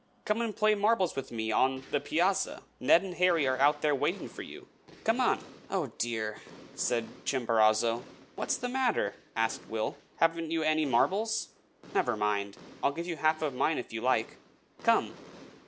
Come and play marbles with me on the piazza. Ned and Harry are out there waiting for you. Come on!" "Oh, dear!" said Chimborazo. "What's the matter?" asked Will. "Haven't you any marbles? Never mind. I'll give you half of mine, if you like. Come!"